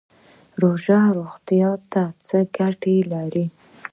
روژه روغتیا ته څه ګټه لري؟